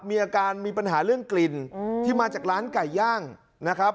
มีอาการมีปัญหาเรื่องกลิ่นที่มาจากร้านไก่ย่างนะครับ